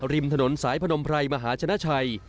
ริมถนนสายพนมไพรมหาชนะชัย